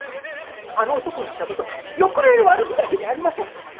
あの男がしたことは酔っ払いの悪ふざけじゃありません。